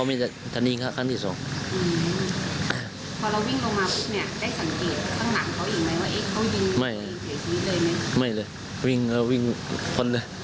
ไม่เลยวิ่งลงวิ่งทุนอีกฤสแต่